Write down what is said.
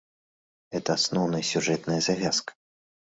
Гэта асноўная сюжэтная завязка.